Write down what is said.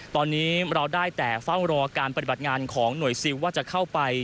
ตอนนี้เราได้แต่เฝ้ารอการปฏิบัติงานของหน่วยซิลว่าจะเข้าไป